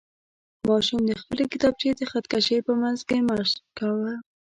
ماشوم د خپلې کتابچې د خط کشۍ په منځ کې مشق کاوه.